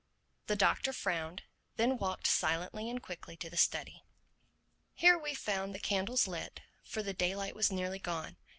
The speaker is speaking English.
The Doctor frowned, then walked silently and quickly to the study. Here we found the candles lit; for the daylight was nearly gone.